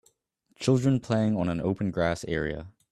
Children playing on an open grass area